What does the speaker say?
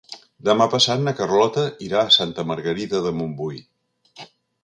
Demà passat na Carlota irà a Santa Margarida de Montbui.